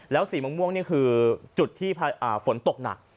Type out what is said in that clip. แล้วสีม่วงคือจุดที่ฝนตกหนัก